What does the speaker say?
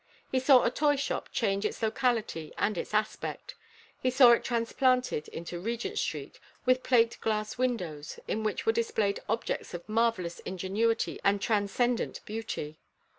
He saw a toyshop change its locality and its aspect. He saw it transplanted into Regent Street, with plate glass windows, in which were displayed objects of marvellous ingenuity and transcendent beauty.